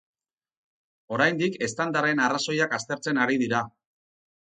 Oraindik eztandaren arrazoiak aztertzen ari dira.